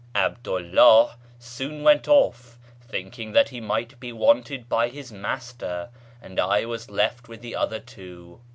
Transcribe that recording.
'Abdu 'llah soon went off, thinking that he might be wanted by his master, and I was left with the other two.